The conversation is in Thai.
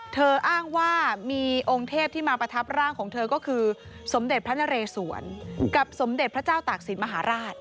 อ้างว่ามีองค์เทพที่มาประทับร่างของเธอก็คือสมเด็จพระนเรสวนกับสมเด็จพระเจ้าตากศิลปมหาราช